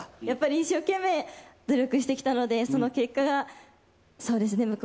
やっぱり一生懸命努力してきたのでその結果がそうですね